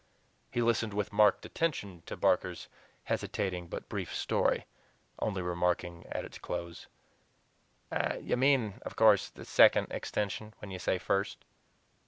He listened with marked attention to Barker's hesitating but brief story, only remarking at its close: "You mean, of course, the 'SECOND Extension' when you say 'First'?"